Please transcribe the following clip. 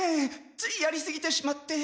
ついやりすぎてしまって。